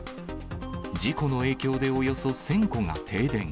事故の影響でおよそ１０００戸が停電。